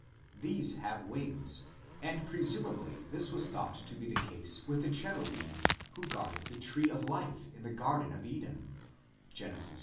18 22) ; these have wings, and presumably this was thought to be the case with the cherubim who guarded the Tree of Life in the Garden of Eden (Gen. iii.